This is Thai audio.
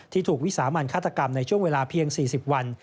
ถูกวิสามันฆาตกรรมในช่วงเวลาเพียง๔๐วัน